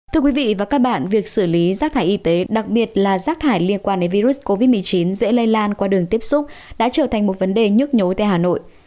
thưa quý vị và các bạn việc xử lý rác thải y tế đặc biệt là rác thải liên quan đến virus covid một mươi chín dễ lây lan qua đường tiếp xúc đã trở thành một vấn đề nhức nhối tại hà nội